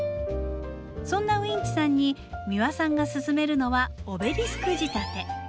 そんなういんちさんに三輪さんが勧めるのはオベリスク仕立て。